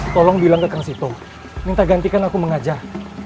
tolong bilang ke kang sito minta gantikan aku mengajar